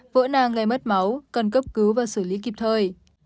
vỡ nang gây mất máu cần cấp cứu và xử lý kịp thời